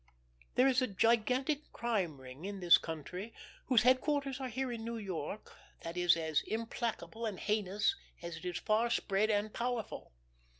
There is a gigantic Crime Ring in this country, whose headquarters are here in New York, that is as implacable and heinous as it is far spread and powerful.